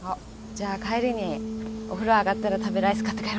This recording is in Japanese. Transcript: じゃあ帰りにお風呂上がったら食べるアイス買って帰ろうか？